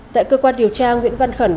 tại cơ quan điều tra nguyễn văn khẩn